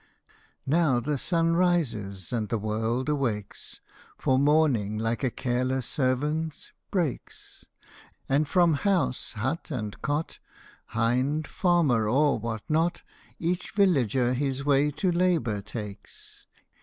Now the sun rises and the world awakes, For morning like a careless servant breaks ; And from house, hut, and cot, Hind, farmer, or what not, Each villager his way to labour takes.